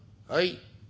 「はい」。